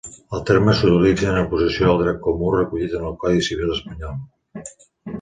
El terme s'utilitza en oposició al dret comú recollit en el codi civil espanyol.